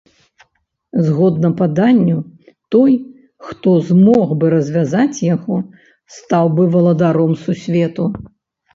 Згодна паданню, той, хто змог бы развязаць яго, стаў бы валадаром сусвету.